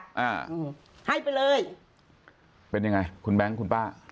อ่าให้ไปเลยเป็นยังไงคุณแบงค์คุณป้า